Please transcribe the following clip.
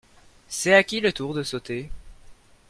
C'est à qui le tour de sauter ?